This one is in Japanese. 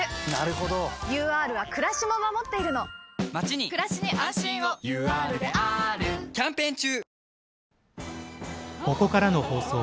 ＵＲはくらしも守っているのまちにくらしに安心をＵＲであーるキャンペーン中！